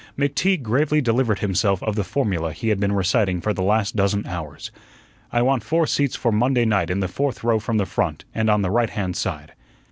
McTeague gravely delivered himself of the formula he had been reciting for the last dozen hours. "I want four seats for Monday night in the fourth row from the front, and on the right hand side."